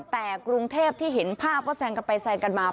แต่กรุงเทพที่เห็นภาพว่าแซงกันไปแซงกันมา